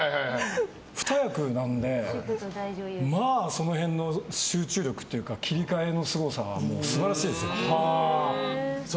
２役なのでその辺の集中力というか切り替えのすごさが素晴らしいですよ。